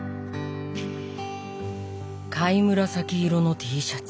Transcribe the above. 貝紫色のＴシャツ。